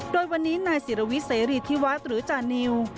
โดยวันนี้นายศิรวิทย์เสรีธิวัฒน์หรือจานิว